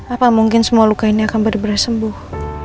apa mungkin semua luka ini akan berubah sembuh